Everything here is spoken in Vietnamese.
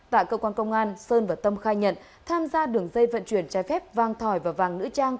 tại cơ quan công an sơn và tâm khai nhận tham gia đường dây vận chuyển trái phép vàng thỏi và vàng nữ trang